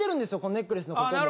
ネックレスのここも。